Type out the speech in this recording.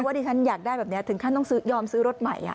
ที่ฉันอยากได้แบบนี้ถึงขั้นต้องยอมซื้อรถใหม่